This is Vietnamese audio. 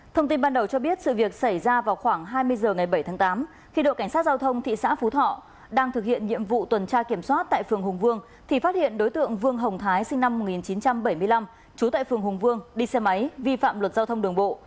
thông tin ban đầu cho biết sự việc xảy ra vào khoảng hai mươi h ngày bảy tháng tám khi đội cảnh sát giao thông thị xã phú thọ đang thực hiện nhiệm vụ tuần tra kiểm soát tại phường hùng vương thì phát hiện đối tượng vương hồng thái sinh năm một nghìn chín trăm bảy mươi năm trú tại phường hùng vương đi xe máy vi phạm luật giao thông đường bộ